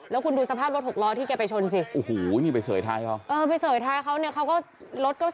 ร้อยสิบหกมิลแคมป์เปอร์เซ็นต์